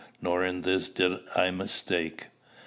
Nor in this did I mistake.